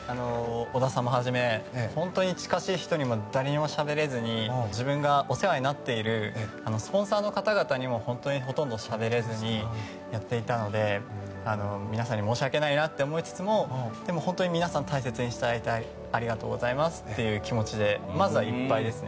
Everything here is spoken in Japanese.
織田さんをはじめ本当に近しい人にも誰にもしゃべれずに自分がお世話になっているスポンサーの方々にも本当にほとんどしゃべれずにやっていたので皆さんに申し訳ないなと思いつつもでも本当に皆さん大切にしていただいてありがとうございますという気持ちでまずはいっぱいです。